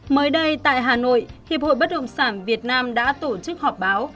mới đây tại hà nội hiệp hội bất động sản việt nam đã tổ chức họp báo